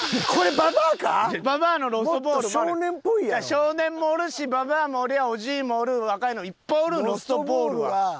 少年もおるしババアもおりゃオジイもおる若いのもいっぱいおるんロストボールは。